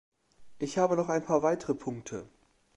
Ich habe noch ein paar weitere Punkte.